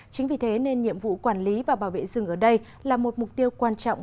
chính vì thế nên nhiệm vụ quản lý và bảo vệ rừng ở đây là một mục tiêu quan trọng